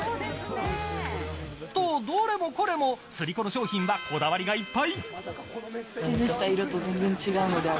どれもこれもスリコの商品はこだわりがいっぱい。